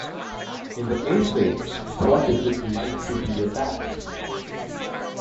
In the essay What is it like to be a bat?